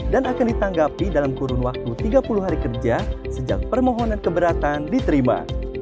dan akan ditanggapi dalam kurun waktu tiga puluh hari kerja sejak permohonan keberatan diterima